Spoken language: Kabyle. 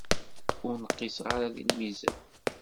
Ur nqiseɣ ara deg lmizan.